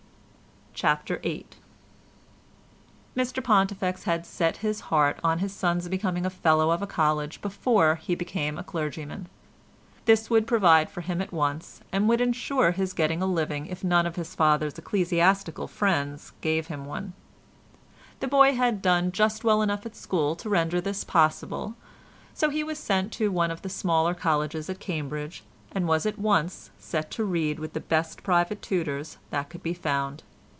CHAPTER VIII Mr Pontifex had set his heart on his son's becoming a fellow of a college before he became a clergyman. This would provide for him at once and would ensure his getting a living if none of his father's ecclesiastical friends gave him one. The boy had done just well enough at school to render this possible, so he was sent to one of the smaller colleges at Cambridge and was at once set to read with the best private tutors that could be found.